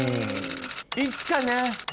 いつかね